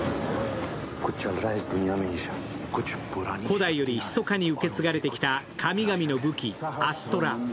古代よりひそかに受け継がれてきた神々の武器・アストラ。